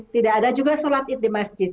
tidak ada juga solat di masjid